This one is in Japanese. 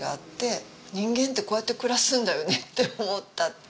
人間ってこうやって暮らすんだよねって思った。